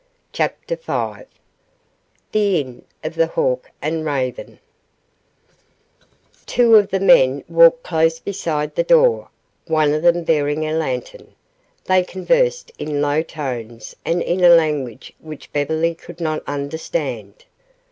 CHAPTER V THE INN OF THE HAWK AND RAVEN Two of the men walked close beside the door, one of them bearing a lantern. They conversed in low tones and in a language which Beverly could not understand.